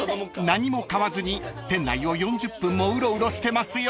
［何も買わずに店内を４０分もうろうろしてますよ］